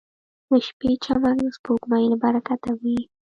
• د شپې چمک د سپوږمۍ له برکته وي.